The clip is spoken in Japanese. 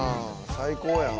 最高やな。